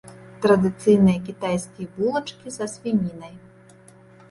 Традыцыйныя кітайскія булачкі са свінінай.